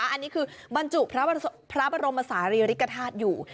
อันนี้คือบรรจุพระบรมศาลีริกฐาตุอยู่